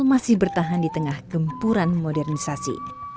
masih bertahan di tengah gempuran modernisasi